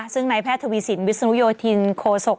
ซึ่งนายแพทย์ทวีสินวิศนุโยธินโคศก